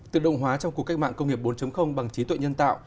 tự động hóa trong cuộc cách mạng công nghiệp bốn bằng trí tuệ nhân tạo